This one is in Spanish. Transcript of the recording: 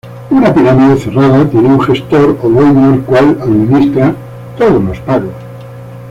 Una pirámide cerrada tiene un gestor o dueño el cual administra todos los pagos.